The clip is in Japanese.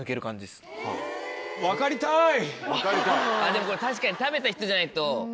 でもこれ確かに食べた人じゃないと。